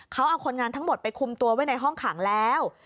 เขาเอาคนงานทั้งหมดไปคุมตัวไว้ในห้องขังแล้ว